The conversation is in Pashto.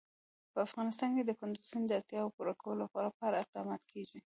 په افغانستان کې د کندز سیند د اړتیاوو پوره کولو لپاره اقدامات کېږي.